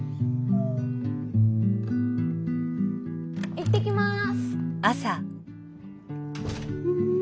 行ってきます！